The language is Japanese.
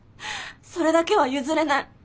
それだけは譲れない。